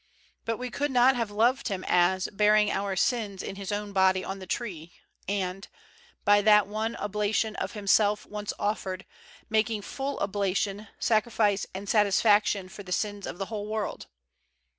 But we could not have loved Him as "bearing our sins in His own body on the tree, '' and '' by that one oblation of Himself once offered, making a full oblation, sacrifice, and satisfaction for the sins of the whole world."